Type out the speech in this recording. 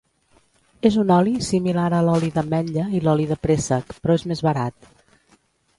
És un oli similar a l’oli d'ametlla i l’oli de préssec, però és més barat.